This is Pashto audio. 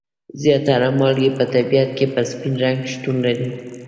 زیاتره مالګې په طبیعت کې په سپین رنګ شتون لري.